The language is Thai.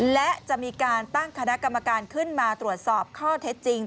และจะมีการตั้งคณะกรรมการขึ้นมาตรวจสอบข้อเท็จจริง